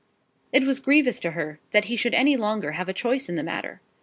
It was grievous to her that he should any longer have a choice in the matter.